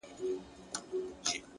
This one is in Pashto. له څو خوښيو او دردو راهيسي،